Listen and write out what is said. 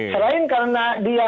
selain karena dia